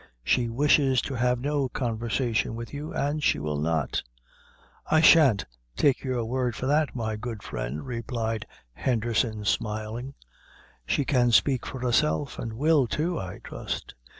She wishes to have no conversation with you, and she will not." "I shan't take your word for that, my good friend," replied Henderson, smiling; "she can speak for herself; and will, too, I trust."